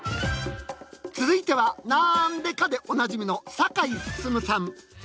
続いては「なんでか？」でおなじみの堺すすむさん。